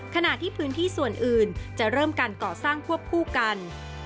ขณะที่พื้นที่ส่วนอื่นจะเริ่มการก่อสร้างควบคู่กัน